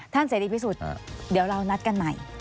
เสรีพิสุทธิ์เดี๋ยวเรานัดกันใหม่